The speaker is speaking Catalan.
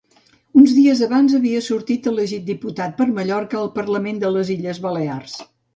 Uns dies abans havia sortit elegit diputat per Mallorca al Parlament de les Illes Balears.